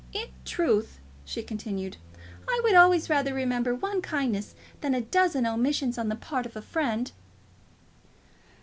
"In truth," she continued, "I would always rather remember one kindness than a dozen omissions on the part of a friend."